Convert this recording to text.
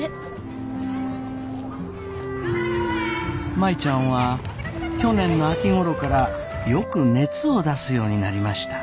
舞ちゃんは去年の秋ごろからよく熱を出すようになりました。